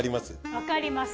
わかります。